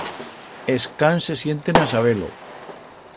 Es can se sienten a-saber-lo.